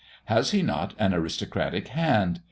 Has he not an aristocratic hand?